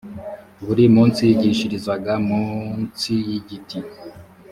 buri munsi yigishirizaga mu nsi y’igiti